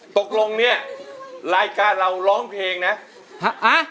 ตกลงเนี่ยรายการเราร้องเพลงนะ